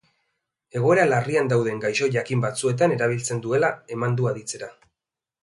Egoera larrian dauden gaixo jakin batzuetan erabiltzen duela eman du aditzera.